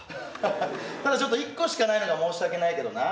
ただちょっと一個しかないのが申し訳ないけどな。